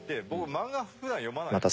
漫画普段読まないんですけど。